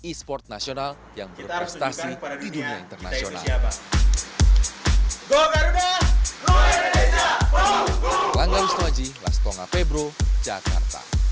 esports nasional yang berprestasi di dunia internasional